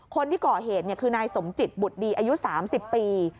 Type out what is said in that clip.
คนที่ก่อเหตุคือนายสมจิตบุตรดีอายุ๓๐ปี